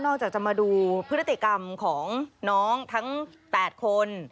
จากจะมาดูพฤติกรรมของน้องทั้ง๘คน